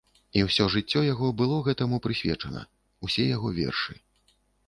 І ўсё жыццё яго было гэтаму прысвечана, усе яго вершы.